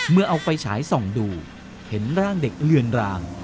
เมื่อเอาไฟฉายส่องดูเห็นร่างเด็กเลือนราง